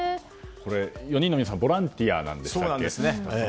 ４人の皆さんボランティアなんですよね。